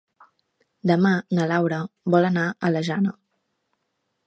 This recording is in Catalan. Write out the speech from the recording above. Demà na Laura vol anar a la Jana.